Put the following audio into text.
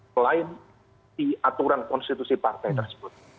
selain di aturan konstitusi partai tersebut